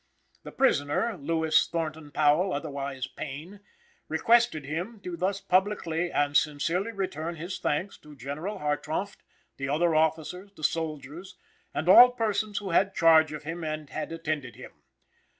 The prisoner, Lewis Thornton Powell, otherwise Payne, requested him to thus publicly and sincerely return his thanks to General Hartrauft, the other officers, the soldiers, and all persons who had charge of him and had attended him.